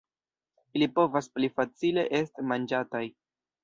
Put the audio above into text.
Ili povas pli facile est manĝataj.